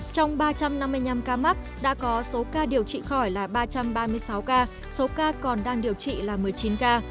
trong ba trăm năm mươi năm ca mắc đã có số ca điều trị khỏi là ba trăm ba mươi sáu ca số ca còn đang điều trị là một mươi chín ca